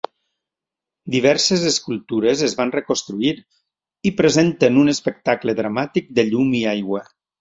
Diverses escultures es van reconstruir i presenten un espectacle dramàtic de llum i aigua.